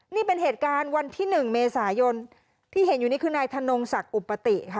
นี่เป็นเหตุการณ์วันที่หนึ่งเมษายนที่เห็นอยู่นี่คือนายธนงศักดิ์อุปติค่ะ